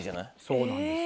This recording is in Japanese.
そうなんです